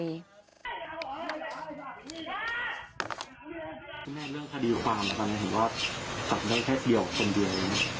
พี่แม่เรื่องคดีความแล้วกันเห็นว่าจับได้แค่เดียวกันเดียวนะ